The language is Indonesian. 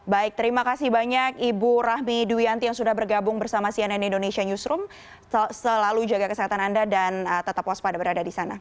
baik terima kasih banyak ibu rahmi duyanti yang sudah bergabung bersama cnn indonesia newsroom selalu jaga kesehatan anda dan tetap waspada berada di sana